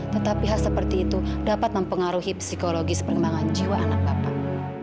tetapi hal seperti itu dapat mempengaruhi psikologis perkembangan jiwa anak bapak